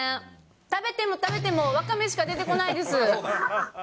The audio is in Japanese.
食べても食べてもわかめしか出てこないです。